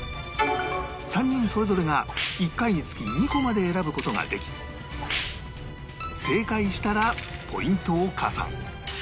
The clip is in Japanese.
３人それぞれが１回につき２個まで選ぶ事ができ正解したらポイントを加算